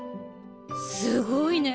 すごいね。